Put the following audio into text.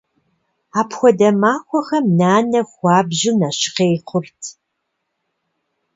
Апхуэдэ махуэхэм нанэ хуабжьу нэщхъей хъурт.